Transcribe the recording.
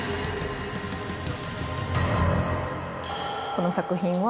この作品は。